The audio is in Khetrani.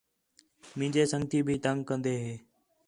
مینجے سنڳتی بھی تنگ کندے ہے